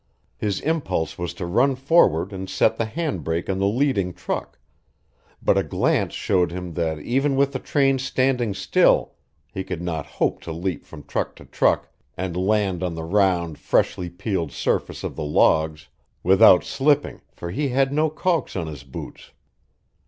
His impulse was to run forward and set the handbrake on the leading truck, but a glance showed him that even with the train standing still he could not hope to leap from truck to truck and land on the round, freshly peeled surface of the logs without slipping for he had no calks in his boots.